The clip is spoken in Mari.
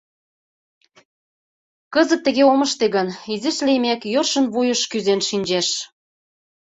«Кызыт тыге ом ыште гын, изиш лиймек, йӧршын вуйыш кӱзен шинчеш.